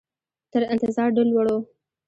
تر انتظار ډېر لوړ وو.